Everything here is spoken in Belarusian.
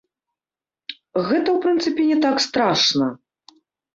Гэта ў прынцыпе не так страшна.